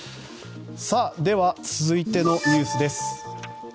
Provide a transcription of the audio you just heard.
では、続いてのニュースです。